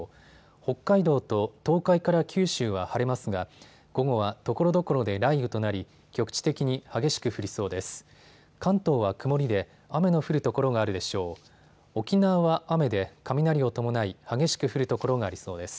北海道と東海から九州は晴れますが午後はところどころで雷雨となり局地的に激しく降りそうです。